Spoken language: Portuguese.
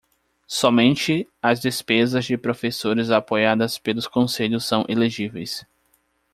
Somente as despesas de professores apoiadas pelos conselhos são elegíveis.